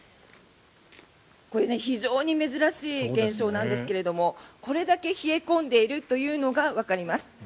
これ、非常に珍しい現象なんですがこれだけ冷え込んでいるというのがわかります。